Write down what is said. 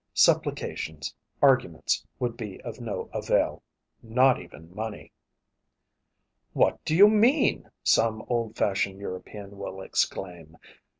Supplications, arguments would be of no avail. Not even money. "What do you mean?" some old fashioned European will exclaim.